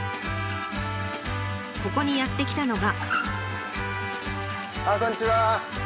ここにやって来たのが。